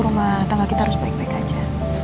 rumah tangga kita harus baik baik aja